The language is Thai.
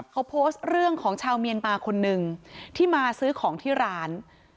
เขาโพสต์เรื่องของชาวเมียนมาคนนึงที่มาซื้อของที่ร้าน